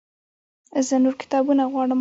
زه نور کتابونه غواړم